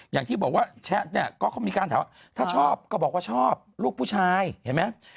อย่างที่บอกว่าแชทเนี่ยก็เขามีการถามว่าถ้าชอบก็บอกว่าชอบลูกผู้ชายเห็นไหม